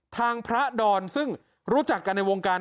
ทางพระดอนซึ่งรู้จักกันในวงการ